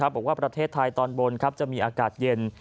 บอกว่าประเทศไทยตอนบนจะมีอากาศเย็น